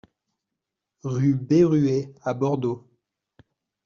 Rue Berruer à Bordeaux